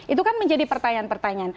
itu kan menjadi pertanyaan pertanyaan